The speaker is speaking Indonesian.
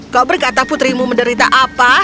kau berkata putrimu menderita apa